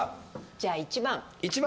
じゃあ１番。